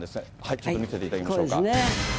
ちょっと見せていただきましょうか。